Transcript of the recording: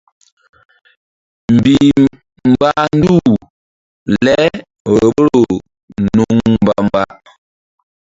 Mbih mbah nduh le vboro nuŋ mbamba.